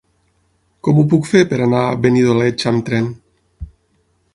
Com ho puc fer per anar a Benidoleig amb tren?